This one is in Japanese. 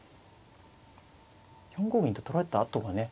４五銀と取られたあとがね。